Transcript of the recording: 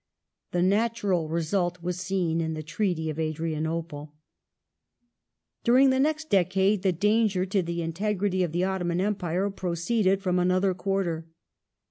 The natural result was seen in the Treaty of Adrianople.' Mehemet During the next decade the danger to the integrity of the ^^' Ottoman Empire proceeded from another quarter.